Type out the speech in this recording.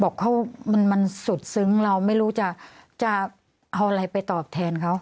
บอกเขามันมันสุดซึ้งเราไม่รู้จะจะเอาอะไรไปตอบแทนเขา